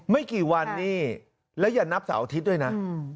ไม่กี่วันนี่แล้วอย่านับเสาร์อาทิตย์ด้วยนะ